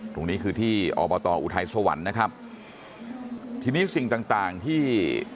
ตรงนี้คือที่อบตออุทัยสวรรค์นะครับทีนี้สิ่งต่างต่างที่